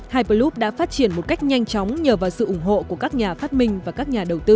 hybroop đã phát triển một cách nhanh chóng nhờ vào sự ủng hộ của các nhà phát minh và các nhà đầu tư